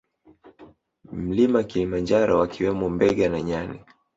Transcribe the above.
Mlima Kilimanjaro wakiwemo mbega na nyani